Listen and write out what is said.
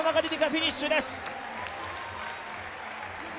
フィニッシュです。